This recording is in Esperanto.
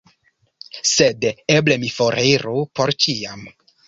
Sed eble mi foriru — por ĉiam?